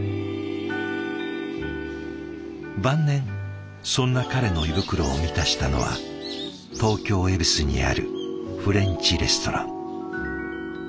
晩年そんな彼の胃袋を満たしたのは東京・恵比寿にあるフレンチレストラン。